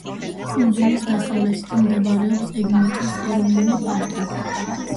კუნძულის დასავლეთით მდებარეობს ეგმონტის ეროვნული პარკი.